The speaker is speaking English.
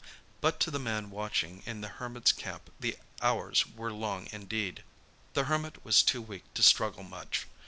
But to the man watching in the Hermit's camp the hours were long indeed. The Hermit was too weak to struggle much.